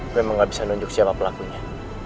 gue emang gak bisa nunjuk siapa pelakunya